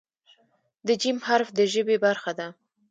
د "ج" حرف د ژبې برخه ده.